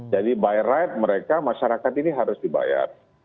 jadi by right mereka masyarakat ini harus dibayar